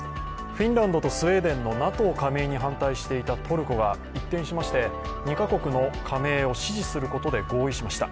フィンランドとスウェーデンのＮＡＴＯ加盟に反対していたトルコが一転しまして２カ国の加盟を支持することで合意しました。